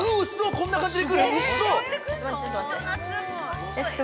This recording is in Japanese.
こんな感じでくる？